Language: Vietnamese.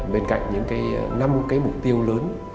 bên cạnh những năm mục tiêu lớn